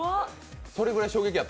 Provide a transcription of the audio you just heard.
それぐらい衝撃やった？